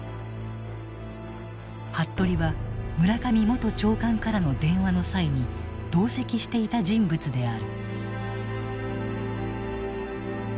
服部は村上元長官からの電話の際に同席していた人物である。